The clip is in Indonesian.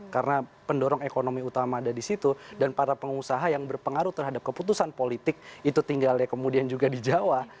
karena pendorong ekonomi utama ada di situ dan para pengusaha yang berpengaruh terhadap keputusan politik itu tinggalnya kemudian juga di jawa